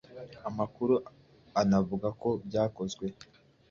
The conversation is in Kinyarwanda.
Amakuru anavuga ko byakozwe